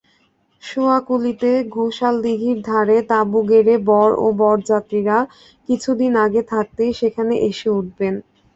শেয়াকুলিতে ঘোষালদিঘির ধারে তাঁবু গেড়ে বর ও বরযাত্রীরা কিছুদিন আগে থাকতেই সেখানে এসে উঠবেন।